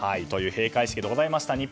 という閉会式でございました。